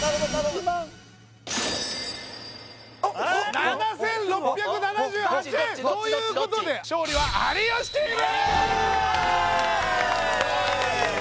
どっちどっち？ということで勝利は有吉チーム！